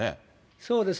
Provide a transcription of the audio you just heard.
そうですね。